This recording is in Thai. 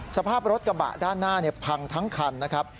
สภาพรถกระบะด้านหน้าพังทั้งคันนะครับ